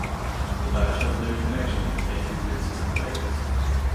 The badge has no connection with the native Princes of Wales.